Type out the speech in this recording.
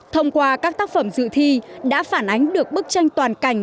thông qua các tác phẩm dự thi đã phản ánh được bức tranh toàn cảnh